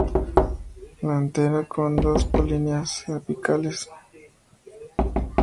La antera con dos polinias apicales.